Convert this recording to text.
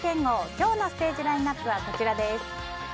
今日のステージラインアップはこちらです。